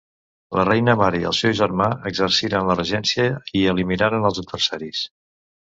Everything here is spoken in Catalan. La reina-mare i el seu germà exerciren la regència i eliminaren els adversaris.